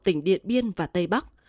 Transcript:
tỉnh điện biên và tây bắc